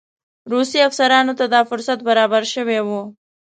روسي افسرانو ته دا فرصت برابر شوی وو.